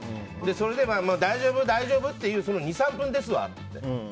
それで、大丈夫、大丈夫っていうその２３分ですわって。